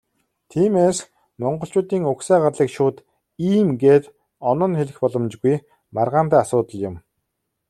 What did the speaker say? Тиймээс, монголчуудын угсаа гарлыг шууд "ийм" гээд оноон хэлэх боломжгүй, маргаантай асуудал юм.